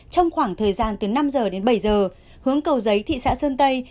trong khoảng thời gian từ năm h đến bảy h hướng cầu giấy thị xã sơn tây